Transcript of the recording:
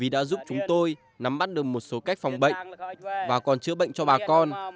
đã giúp chúng tôi nắm bắt được một số cách phòng bệnh và còn chữa bệnh cho bà con